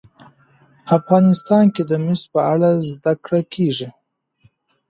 افغانستان کې د مس په اړه زده کړه کېږي.